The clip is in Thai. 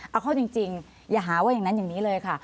เอาเข้าจริงอย่าหาว่าอย่างนั้นอย่างนี้เลยค่ะ